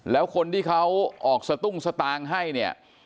แล้วคนที่เขาออกสตุ้งสตางค์ให้เนี่ย